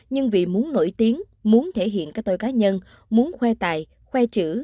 nhưng vì muốn nổi tiếng muốn thể hiện các tôi cá nhân muốn khoe tài khoe chữ